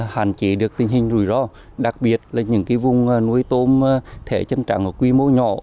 hạn chế được tình hình rủi ro đặc biệt là những vùng nuôi tôm thẻ chân trắng ở quy mô nhỏ